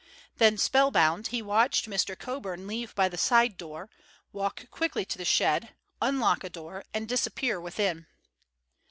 Then, spellbound, he watched Mr. Coburn leave by the side door, walk quickly to the shed, unlock a door, and disappear within.